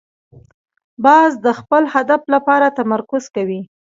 باز د خپل هدف لپاره تمرکز کوي